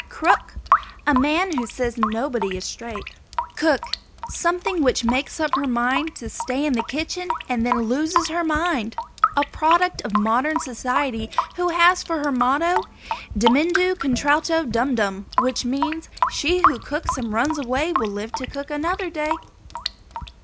CROOK. A man who says nobody is straight. COOK. Something which makes up her mind to stay in the kitchen and then loses her mind. A product of modern society who has for her motto "Dimuendo contralto dumdum," which means, "She who cooks and runs away will live to cook another day."